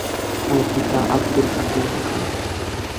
তার পিতা আবদুল হাকিম খান।